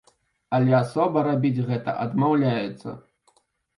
Але асоба рабіць гэта адмаўляецца.